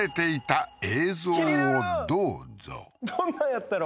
どんなんやったやろ？